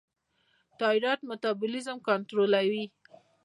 تایرویډ میټابولیزم کنټرولوي.